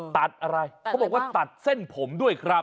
ตัดอะไรเขาบอกว่าตัดเส้นผมด้วยครับ